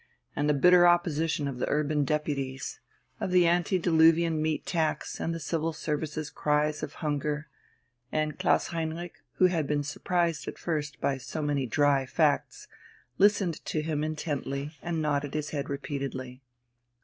and the bitter opposition of the urban deputies, of the antediluvian meat tax, and the Civil Service's cries of hunger; and Klaus Heinrich, who had been surprised at first by so many dry facts, listened to him intently and nodded his head repeatedly.